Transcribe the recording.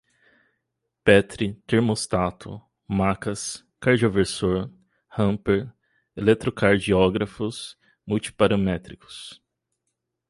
petri, termostato, macas, cardioversor, hamper, eletrocardiógrafo, multiparâmetricos